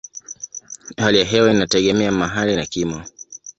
Hali ya hewa inategemea mahali na kimo.